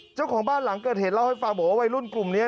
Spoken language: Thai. เจ้าของบ้านหลังเกิดเหตุเล่าให้ฟังบอกว่าวัยรุ่นกลุ่มนี้